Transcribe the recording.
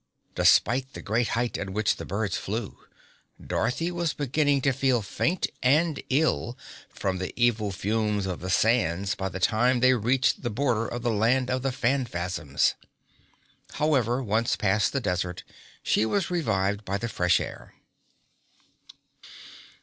Despite the great height at which the birds flew, Dorothy was beginning to feel faint and ill from the evil fumes of the sands by the time they reached the border of the Land of the Phanfasms. However, once past the desert, she was revived by the fresh air.